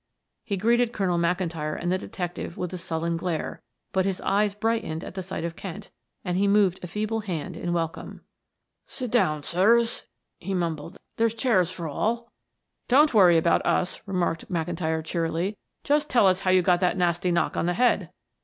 He greeted Colonel McIntyre and the detective with a sullen glare, but his eyes brightened at sight of Kent, and he moved a feeble hand in welcome. "Sit down, sirs," he mumbled. "There's chairs for all." "Don't worry about us," remarked McIntyre cheerily. "Just tell us how you got that nasty knock on the head."